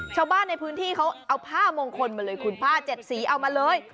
ชาวบ้านในพื้นที่เขาเอาผ้ามงคลมาเลยคุณผ้า๗สีเอามาเลย